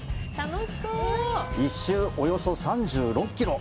１周およそ３６キロ。